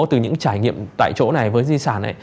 từ những trải nghiệm tại chỗ này với di sản ấy